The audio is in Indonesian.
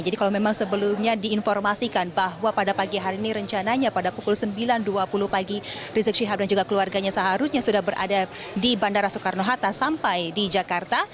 jadi kalau memang sebelumnya diinformasikan bahwa pada pagi hari ini rencananya pada pukul sembilan dua puluh pagi rizik sihab dan juga keluarganya seharusnya sudah berada di bandara soekarno hatta sampai di jakarta